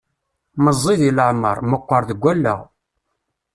Meẓẓi deg leεmer, meqqer deg allaɣ.